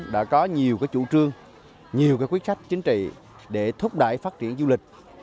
đã có nhiều chủ trương nhiều quyết khách chính trị để thúc đẩy phát triển du lịch